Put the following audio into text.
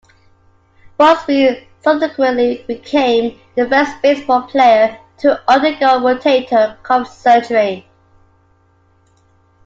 Busby subsequently became the first baseball player to undergo rotator cuff surgery.